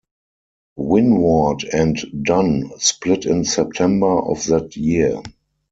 Winward and Dunn split in September of that year.